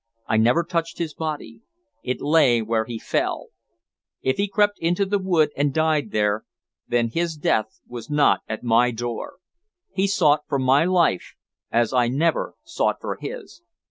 I never touched his body. It lay where he fell. If he crept into the wood and died there, then his death was not at my door. He sought for my life as I never sought for his."